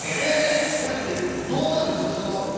これって、どうなんですか。